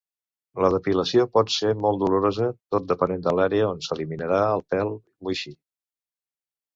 La depilació pot ser molt dolorosa tot depenent de l'àrea on s'eliminarà el pèl moixí.